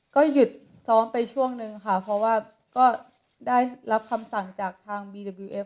ก็หยุดซ้อมไปช่วงนึงค่ะเพราะว่าก็ได้รับคำสั่งจากทางบีเดอร์บิลเอฟ